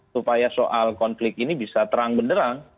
supaya soal konflik ini bisa terang benderang